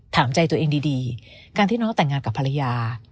ถามใจตัวเองดีการที่น้องแต่งงานกับภรรยา